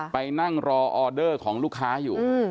ไปนั่งรอออเดอร์ของลูกค้าอยู่